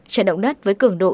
trận động đất với cường độ chín